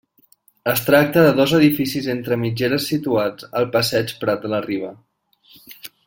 Es tracta de dos edificis entre mitgeres situats al passeig Prat de la Riba.